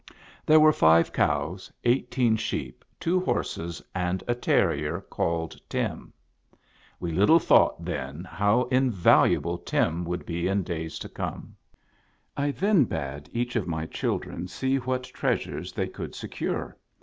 There were five cows, eighteen sheep, two horses, and a terrier called Tim. We little thought then how invaluable Tim would be in days to come. I then bade each of my children see what treasures they could secure.